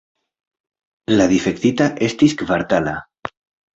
La difektita estis kvartala.